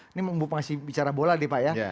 ini masih bicara bola nih pak ya